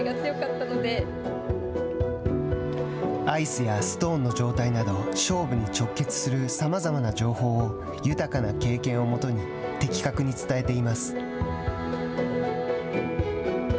アイスやストーンの状態など勝負に直結するさまざまな情報を豊かな経験を基に的確に伝えています。